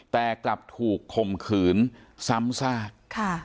แต่กลับถูกข่มขืนซ้ำซากค่ะ